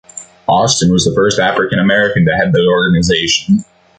Austin was the first African American to head the organization.